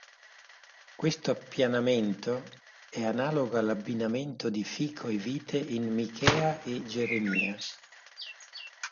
Questo appaiamento è analogo all'abbinamento di fico e vite in Michea e Geremia.